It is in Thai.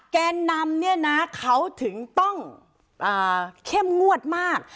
แกนนำเขาถึงต้องเข้มงวดมาก